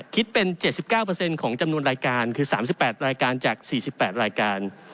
คิดเป็น๗๙ของจำนวนรายการคือ๓๘รายการจาก๔๘รายการ